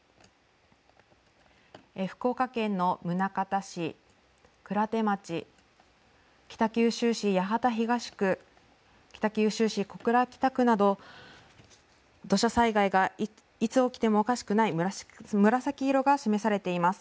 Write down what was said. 福岡県の宗像市鞍手町北九州市八幡東区北九州市小倉北区など土砂災害がいつ起きてもおかしくない紫色が示されています。